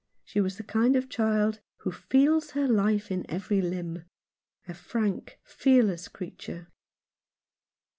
She was the kind of child " who feels her life in every limb" — a frank, fearless creature.